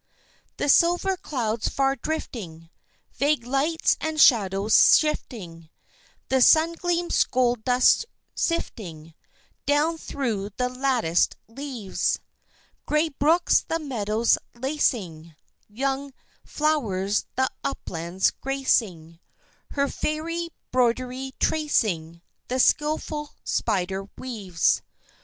The silver clouds far drifting, Vague lights and shadows shifting, The sungleams gold dust sifting Down thro' the latticed leaves; Gray brooks the meadows lacing, Young flow'rs the uplands gracing, Her faery 'broidery tracing The skillful spider weaves.